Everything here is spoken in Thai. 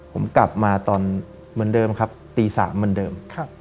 ผมกลับมาตอนเหมือนเดิมครับตี๓เหมือนเดิม